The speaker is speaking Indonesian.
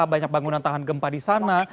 banyak bangunan tahan gempa di sana